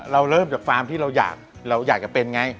เราเริ่มจากฟาร์มที่เราอยากจะเป็นไง